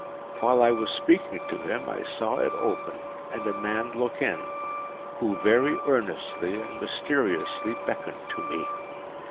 While I was speaking to him, I saw it open, and a man look in, who very earnestly and mysteriously beckoned to me.